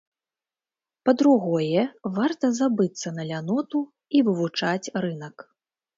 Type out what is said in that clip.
Па-другое, варта забыцца на ляноту і вывучаць рынак.